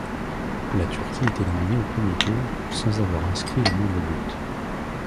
La Turquie est éliminée au premier tour, sans avoir inscrit le moindre but.